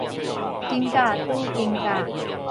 肩胛拄肩胛